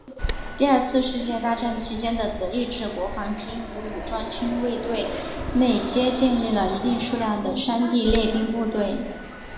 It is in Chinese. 第二次世界大战期间的德意志国防军与武装亲卫队内皆建立了一定数量的山地猎兵部队。